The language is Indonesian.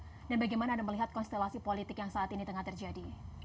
dan bagaimana anda melihat konstelasi politik yang saat ini tengah terjadi